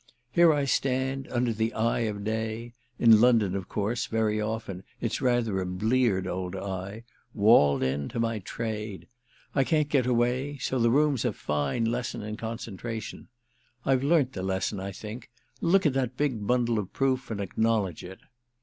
Here I stand, under the eye of day—in London of course, very often, it's rather a bleared old eye—walled in to my trade. I can't get away—so the room's a fine lesson in concentration. I've learnt the lesson, I think; look at that big bundle of proof and acknowledge it."